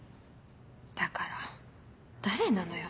だから誰なのよ？